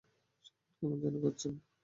সম্রাট কেমন যেন করছেন!